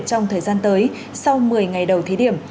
trong thời gian tới sau một mươi ngày đầu thí điểm